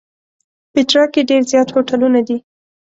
پېټرا کې ډېر زیات هوټلونه دي.